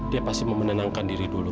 dia pasti mau menenangkan diri dulu